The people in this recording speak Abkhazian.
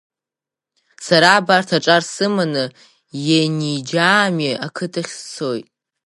Сара абарҭ аҿар сыманы Иениџьаами ақыҭахь сцоит!